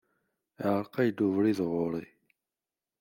Iεreq-ak-d ubrid ɣur-i.